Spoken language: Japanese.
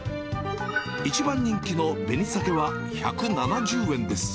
一番人気の紅さけは１７０円です。